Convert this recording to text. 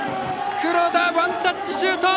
黒田、ワンタッチシュート！